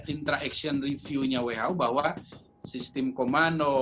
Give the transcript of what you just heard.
interaction reviewnya who bahwa sistem komando